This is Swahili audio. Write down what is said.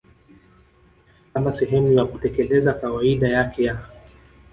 kama sehemu ya kutekeleza kawaida yake ya